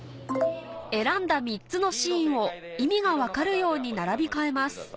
選んだ３つのシーンを意味が分かるように並び替えます